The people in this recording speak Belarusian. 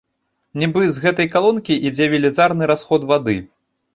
Нібы з гэтай калонкі ідзе велізарны расход вады.